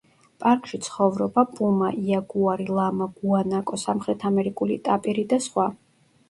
პარკში ცხოვრობა პუმა, იაგუარი, ლამა, გუანაკო, სამხრეთ ამერიკული ტაპირი და სხვა.